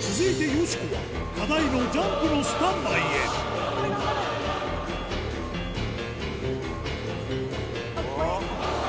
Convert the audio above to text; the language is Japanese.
続いてよしこは課題のジャンプのスタンバイへおっ！